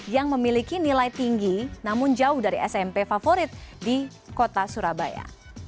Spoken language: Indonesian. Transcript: yang memiliki nilai tinggi namun jauh dari smp favorit di kota surabaya